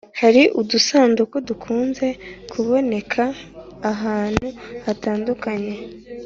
Hari udusanduku dukunze kuboneka ahantu hatandukanye